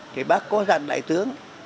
thì bác có dặn đại tướng